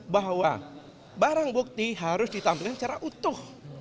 bahwa barang bukti harus ditampilkan secara utuh